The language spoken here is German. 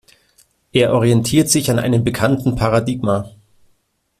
Er orientiert sich an einem bekannten Paradigma.